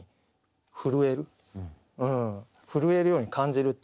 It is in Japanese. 震えるように感じるっていうか。